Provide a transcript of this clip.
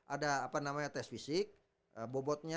ada tes fisik bobotnya enam puluh